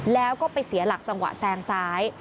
แล้วก็ไปเสียหลักจังหวะแซงซ้าย